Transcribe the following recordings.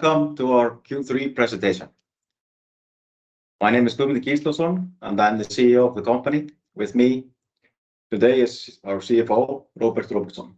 Welcome to our Q3 presentation. My name is Guðmundur Gíslason, and I'm the CEO of the company. With me today is our CFO, Róbert Róbertsson.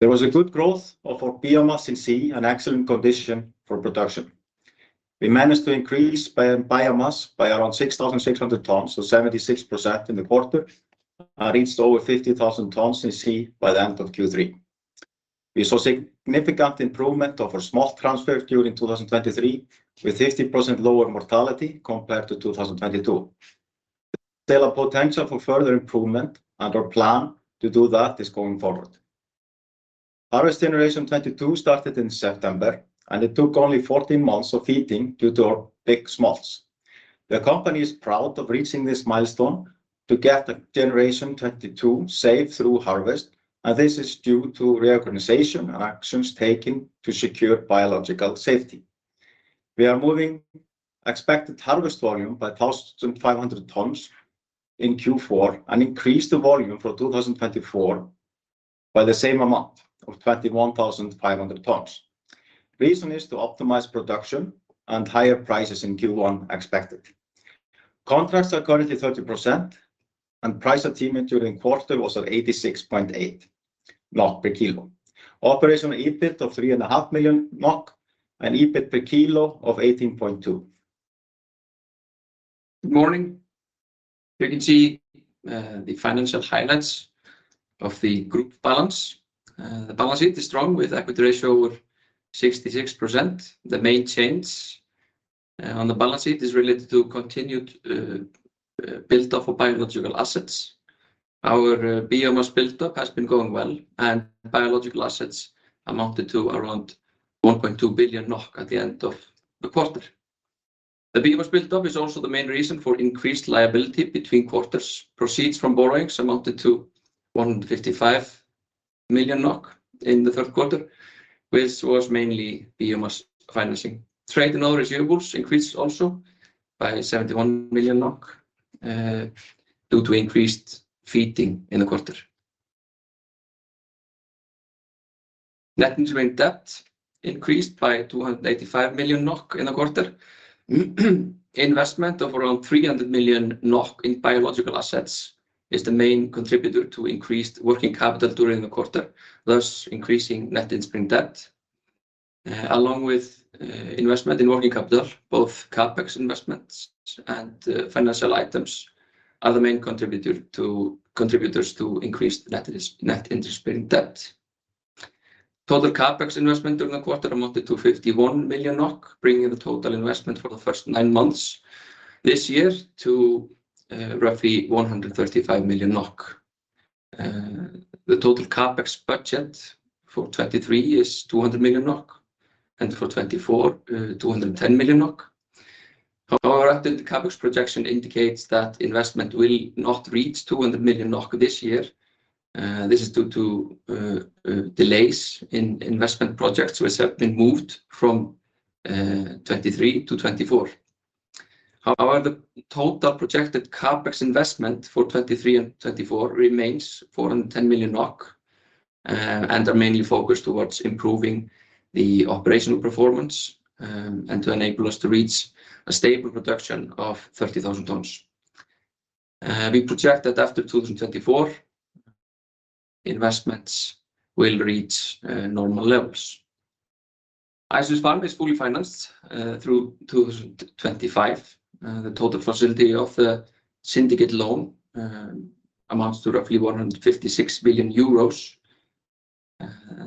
There was a good growth of our biomass in sea, an excellent condition for production. We managed to increase biomass by around 6,600 tons, so 76% in the quarter, and reached over 50,000 tons in sea by the end of Q3. We saw significant improvement of our smolt transfer during 2023, with 50% lower mortality compared to 2022. There are potential for further improvement, and our plan to do that is going forward. Harvest Generation 22 started in September, and it took only 14 months of feeding due to our big smolts. The company is proud of reaching this milestone to get the Generation 22 safe through harvest, and this is due to reorganization and actions taken to secure biological safety. We are moving expected harvest volume by 1,500 tons in Q4, and increase the volume for 2024 by the same amount of 21,500 tons. Reason is to optimize production and higher prices in Q1 expected. Contracts are currently 30%, and price attainment during quarter was at 86.8 NOK per kilo. Operational EBIT of 3.5 million NOK, and EBIT per kilo of 18.2. Good morning. You can see the financial highlights of the group balance. The balance sheet is strong, with equity ratio over 66%. The main change on the balance sheet is related to continued build-up of biological assets. Our biomass build-up has been going well, and biological assets amounted to around 1.2 billion NOK at the end of the quarter. The biomass build-up is also the main reason for increased liability between quarters. Proceeds from borrowings amounted to 155 million NOK in the third quarter, which was mainly biomass financing. Trade and other receivables increased also by 71 million NOK due to increased feeding in the quarter. Net interest-bearing debt increased by 285 million NOK in the quarter. Investment of around 300 million NOK in biological assets is the main contributor to increased working capital during the quarter, thus increasing net interest-bearing debt. Along with investment in working capital, both CapEx investments and financial items are the main contributors to increased net interest-bearing debt. Total CapEx investment during the quarter amounted to 51 million NOK, bringing the total investment for the first nine months this year to roughly 135 million NOK. The total CapEx budget for 2023 is 200 million NOK, and for 2024, 210 million NOK. Our updated CapEx projection indicates that investment will not reach 200 million NOK this year. This is due to delays in investment projects, which have been moved from 2023 to 2024. However, the total projected CapEx investment for 2023 and 2024 remains 410 million NOK, and are mainly focused towards improving the operational performance, and to enable us to reach a stable production of 30,000 tons. We project that after 2024, investments will reach normal levels. Ice Fish Farm is fully financed through 2025. The total facility of the syndicate loan amounts to roughly 156 billion euros.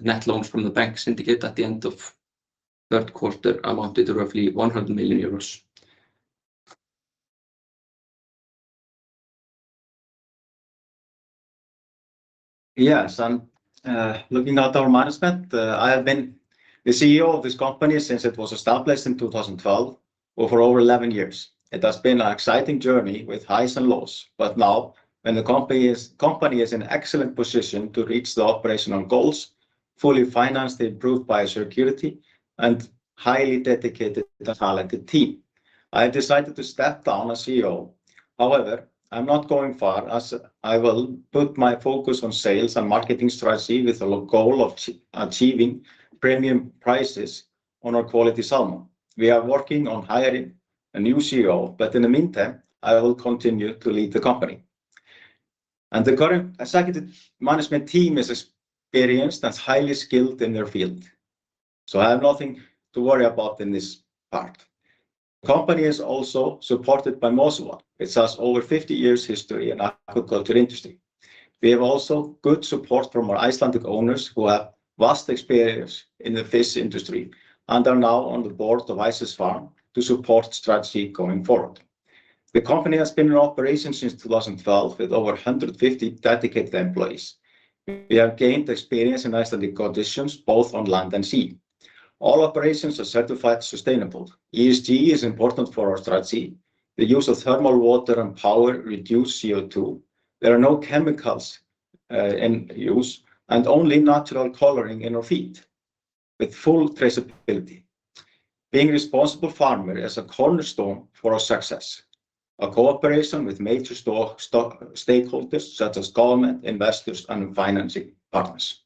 Net loans from the bank syndicate at the end of third quarter amounted to roughly 100 million euros. Yes, I'm looking at our management. I have been the CEO of this company since it was established in 2012, over 11 years. It has been an exciting journey with highs and lows, but now that the company is in excellent position to reach the operational goals, fully financed, improved biosecurity, and highly dedicated and talented team, I have decided to step down as CEO. However, I'm not going far, as I will put my focus on sales and marketing strategy with the goal of achieving premium prices on our quality salmon. We are working on hiring a new CEO, but in the meantime, I will continue to lead the company. The current executive management team is experienced and highly skilled in their field, so I have nothing to worry about in this part. The company is also supported by Mowi. It has over 50 years' history in agriculture industry. We have also good support from our Icelandic owners, who have vast experience in the fish industry and are now on the board of Ice Fish Farm to support strategy going forward. The company has been in operation since 2012 with over 150 dedicated employees. We have gained experience in Icelandic conditions, both on land and sea. All operations are certified sustainable. ESG is important for our strategy. The use of thermal water and power reduce CO2. There are no chemicals in use, and only natural coloring in our feed with full traceability. Being responsible farmer is a cornerstone for our success. A cooperation with major stakeholders such as government, investors, and financing partners.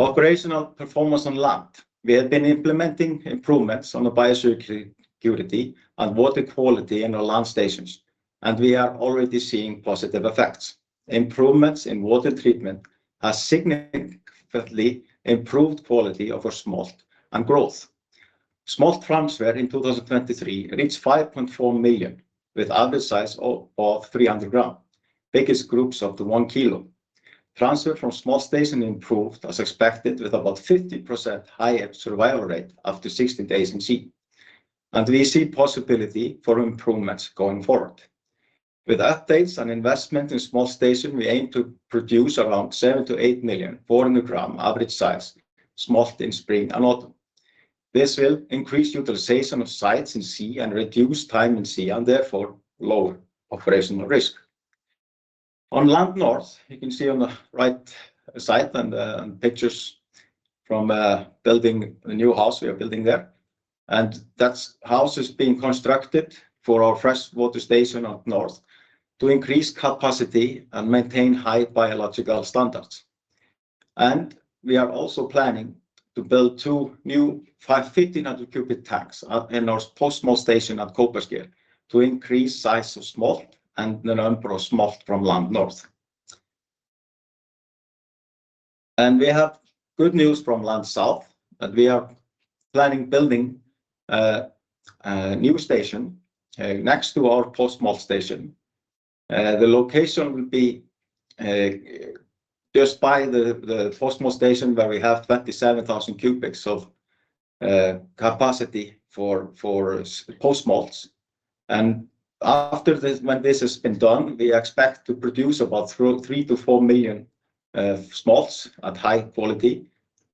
Operational performance on land. We have been implementing improvements on the biosecurity and water quality in our land stations, and we are already seeing positive effects. Improvements in water treatment has significantly improved quality of our smolt and growth. Smolt transfer in 2023 reached 5.4 million, with average size of 300-gram. Biggest groups up to 1 kilo. Transfer from smolt station improved as expected, with about 50% higher survival rate after 60 days in sea, and we see possibility for improvements going forward. With updates and investment in smolt station, we aim to produce around seven-eight million, 400-gram average size smolt in spring and autumn. This will increase utilization of sites in sea and reduce time in sea, and therefore lower operational risk. On Land North, you can see on the right side and pictures from building a new house we are building there, and that house is being constructed for our fresh water station up north to increase capacity and maintain high biological standards. We are also planning to build two new 550 cubic tanks at our post-smolt station at Kopasker to increase size of smolt and the number of smolt from Land North. We have good news from Land South, that we are planning building a new station next to our post-smolt station. The location will be just by the post-smolt station, where we have 27,000 cubics of capacity for post-smolts. After this, when this has been done, we expect to produce about 3-4 million smolts at high quality,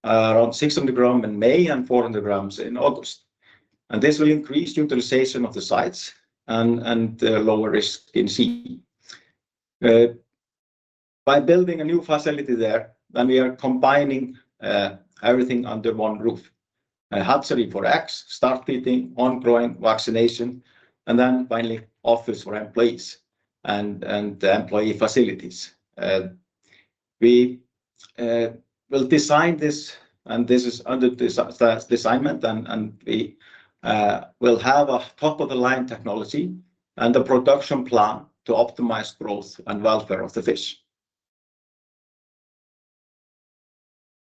around 600 gram in May and 400 grams in August. This will increase utilization of the sites and lower risk in sea. By building a new facility there, then we are combining everything under one roof. A hatchery for eggs, start feeding, on-growing, vaccination, and then finally, office for employees and the employee facilities. We will design this, and this is under design, and we will have a top-of-the-line technology and a production plan to optimize growth and welfare of the fish.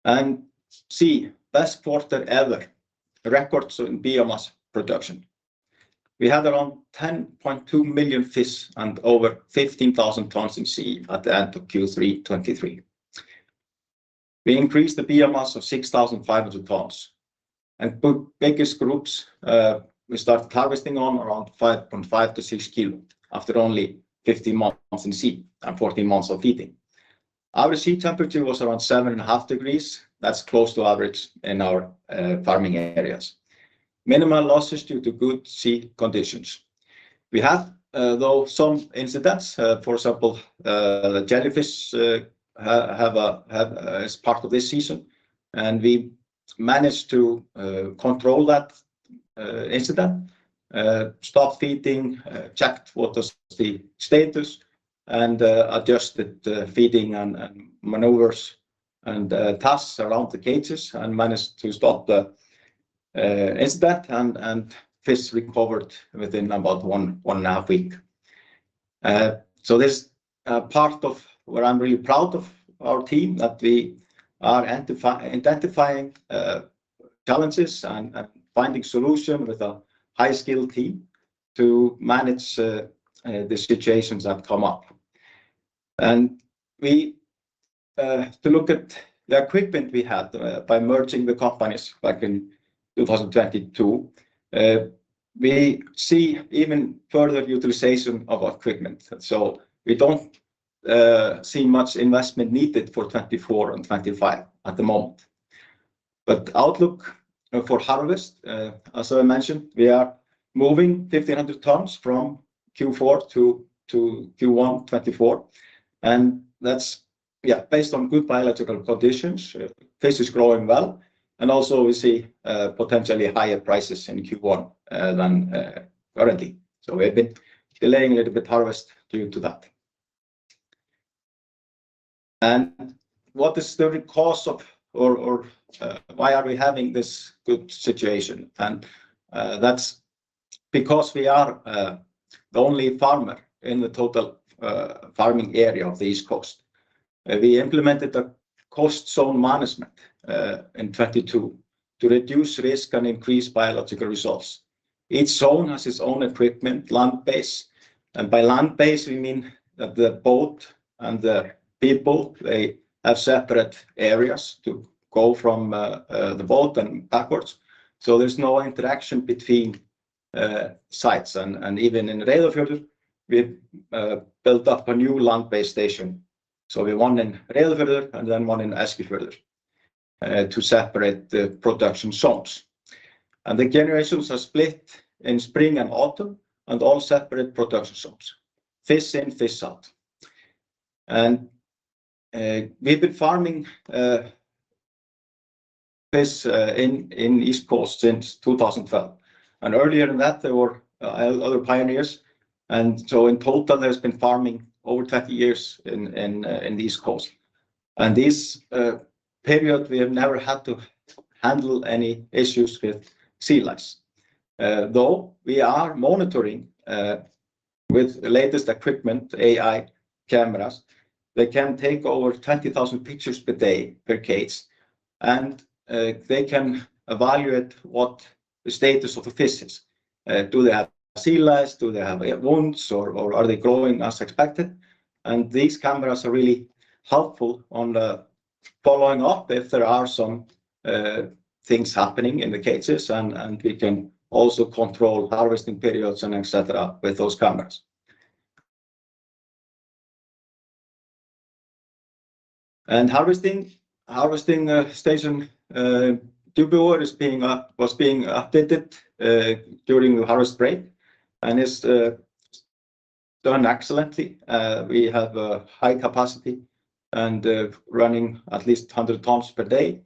And see, best quarter ever. Records in biomass production. We had around 10.2 million fish and over 15,000 tons in sea at the end of Q3 2023. We increased the biomass of 6,500 tons. The biggest groups, we started harvesting on around 5.5-6 kg after only 15 months in sea and 14 months of feeding. Average sea temperature was around 7.5 degrees Celsius. That's close to average in our farming areas. Minimal losses due to good sea conditions. We have, though, some incidents. For example, jellyfish have had as part of this season, and we managed to control that incident. Stop feeding, checked what was the status, and adjusted the feeding and maneuvers and tasks around the cages, and managed to stop the incident, and fish recovered within about one and a half weeks. So this part of where I'm really proud of our team, that we are identifying challenges and finding solution with a high-skilled team to manage the situations that come up. And we, to look at the equipment we had, by merging the companies back in 2022, we see even further utilization of our equipment. So we don't see much investment needed for 2024 and 2025 at the moment. But outlook for harvest, as I mentioned, we are moving 1,500 tons from Q4-Q1 2024, and that's, yeah, based on good biological conditions. Fish is growing well, and also we see potentially higher prices in Q1 than currently. So we have been delaying a little bit harvest due to that. What is the cause of, or why are we having this good situation? That's because we are the only farmer in the total farming area of the East Coast. We implemented a coast zone management in 2022 to reduce risk and increase biological results. Each zone has its own equipment, land base, and by land base, we mean that the boat and the people, they have separate areas to go from, the boat and backwards. So there's no interaction between sites. And even in Reyðarfjörður, we built up a new land-based station. So we have one in Reyðarfjörður and then one in Eskifjörður to separate the production zones. The generations are split in spring and autumn, and all separate production zones. Fish in, fish out. We've been farming this in East Coast since 2012. Earlier than that, there were other pioneers, and so in total, there's been farming over 30 years in the East Coast. This period, we have never had to handle any issues with sea lice. Though we are monitoring with the latest equipment, AI cameras, they can take over 20,000 pictures per day per cage, and they can evaluate what the status of the fish is. Do they have sea lice? Do they have wounds, or are they growing as expected? These cameras are really helpful on the following up if there are some things happening in the cages, and we can also control harvesting periods and et cetera with those cameras. Harvesting station in Djúpivogur was being updated during the harvest break, and it's done excellently. We have a high capacity and running at least 100 tons per day,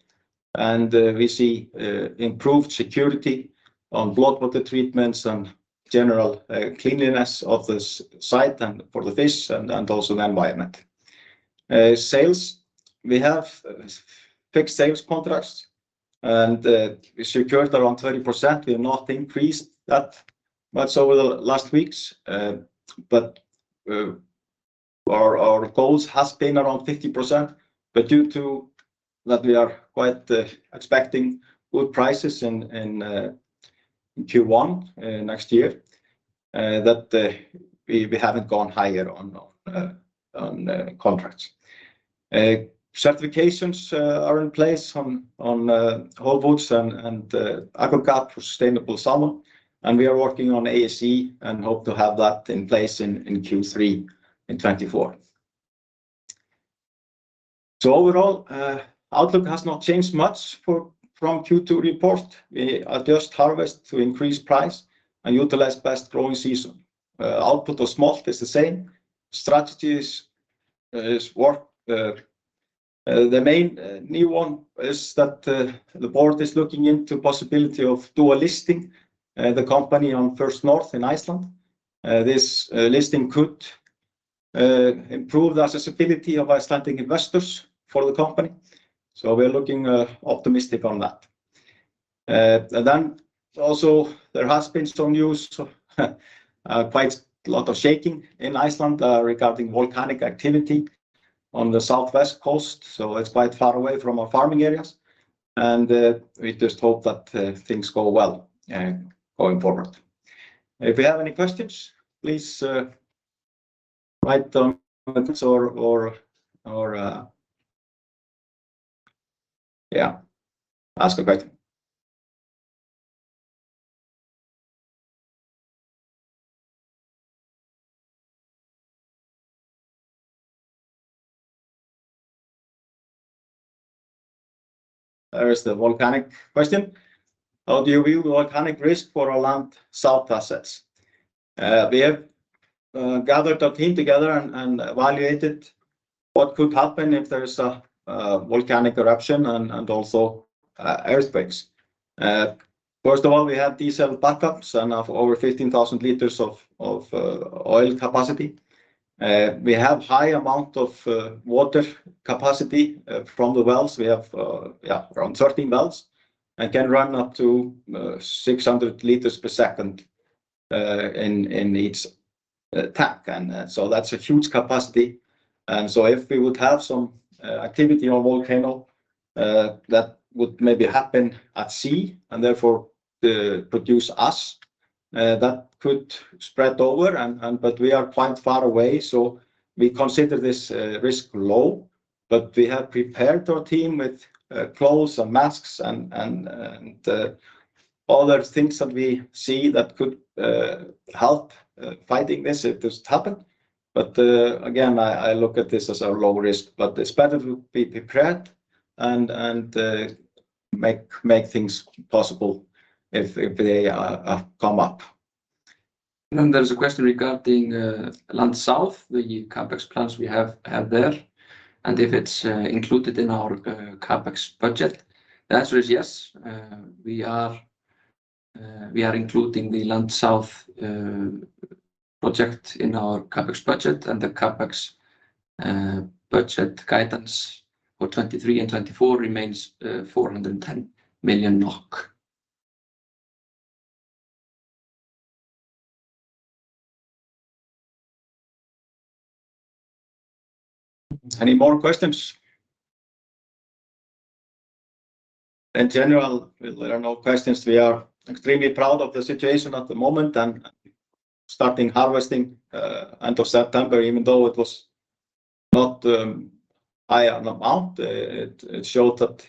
and we see improved security on blood water treatments and general cleanliness of the site and for the fish and also the environment. Sales, we have fixed sales contracts, and we secured around 30%. We have not increased that much over the last weeks, but our goals has been around 50%. But due to that, we are quite expecting good prices in Q1 next year, that we haven't gone higher on contracts. Certifications are in place on whole foods and AgroGuard for sustainable salmon, and we are working on ASC and hope to have that in place in Q3 in 2024. So overall, outlook has not changed much from Q2 report. We adjust harvest to increase price and utilize best growing season. Output of smolt is the same. Strategy is work. The main new one is that the board is looking into possibility of dual listing the company on First North Iceland. This listing could improve the accessibility of Icelandic investors for the company. So we're looking optimistic on that. And then also there has been some news, quite a lot of shaking in Iceland, regarding volcanic activity on the southwest coast, so it's quite far away from our farming areas, and we just hope that things go well going forward. If you have any questions, please write down comments or... Yeah, ask a question. There is the volcanic question: How do you view the volcanic risk for our Land South assets? We have gathered our team together and evaluated what could happen if there's a volcanic eruption and also earthquakes. First of all, we have diesel backups and have over 15,000 liters of oil capacity. We have high amount of water capacity from the wells. We have, yeah, around 13 wells and can run up to 600 liters per second in each tank, and so that's a huge capacity. And so if we would have some activity on volcano that would maybe happen at sea and therefore produce us that could spread over and but we are quite far away, so we consider this risk low. But we have prepared our team with clothes and masks and other things that we see that could help fighting this if this happen. But again, I look at this as a low risk, but it's better to be prepared and make things possible if they come up. Then there's a question regarding Land South, the CapEx plans we have there, and if it's included in our CapEx budget. The answer is yes. We are including the Land South project in our CapEx budget, and the CapEx budget guidance for 2023 and 2024 remains NOK 410 million. Any more questions? In general, if there are no questions, we are extremely proud of the situation at the moment, and starting harvesting end of September, even though it was not high on amount. It showed that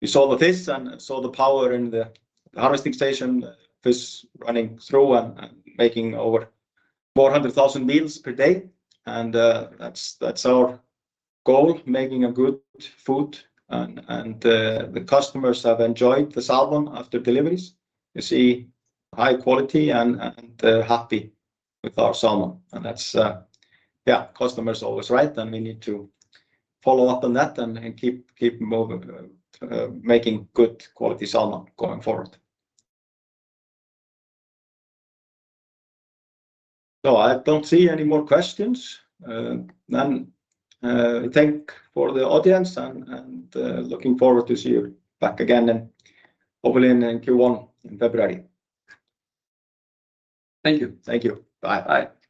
we saw the fish and saw the power in the harvesting station, fish running through and making over 400,000 meals per day, and that's our goal, making a good food. And the customers have enjoyed the salmon after deliveries. You see high quality and they're happy with our salmon, and that's... Yeah, customer is always right, and we need to follow up on that and keep moving, making good quality salmon going forward. So I don't see any more questions. Then, thank for the audience and, and, looking forward to see you back again in hopefully in Q1, in February. Thank you. Thank you. Bye. Bye.